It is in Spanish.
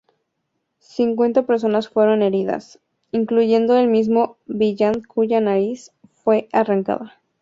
Cincuenta personas fueron heridas, incluyendo el mismo Vaillant cuya nariz fue arrancada.